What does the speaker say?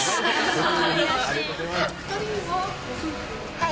はい。